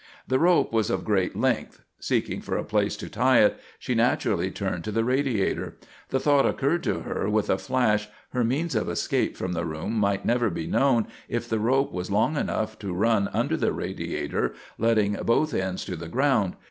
The rope was of great length. Seeking for a place to tie it, she naturally turned to the radiator. The thought occurred to her with a flash her means of escape from the room might never be known if the rope was long enough to run under the radiator, letting both ends to the ground.